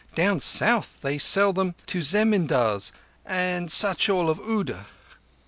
Down south they sell them—to zemindars and such—all of Oudh."